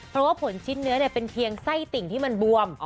เพราะว่าผลชิ้นเนื้อเป็นเพียงไส้ติ่งที่มันบวม